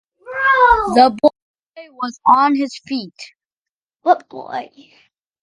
The boy was on his feet.